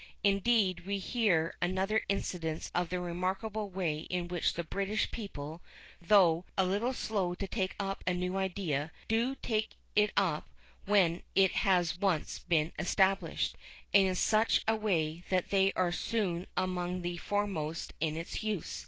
Indeed we see here another instance of the remarkable way in which the British people, though a little slow to take up a new idea, do take it up when it has once been established, and in such a way that they are soon among the foremost in its use.